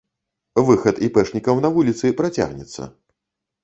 Выхад іпэшнікаў на вуліцы працягнецца.